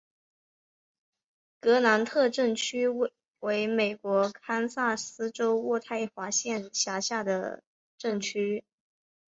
格兰特镇区为美国堪萨斯州渥太华县辖下的镇区。